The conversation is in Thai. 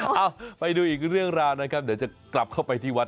เอ้าไปดูอีกเรื่องราวนะครับเดี๋ยวจะกลับเข้าไปที่วัด